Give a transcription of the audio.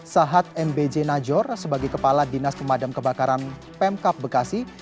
sahat mbj najor sebagai kepala dinas pemadam kebakaran pemkap bekasi